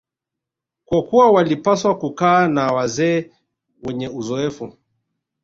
kwa kuwa walipaswa kukaa na wazee wenye uzoefu